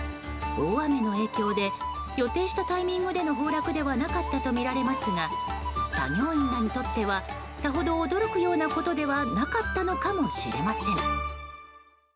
大雨の影響で予定したタイミングでの崩落ではなかったとみられますが作業員らにとってはさほど驚くようなことではなかったのかもしれません。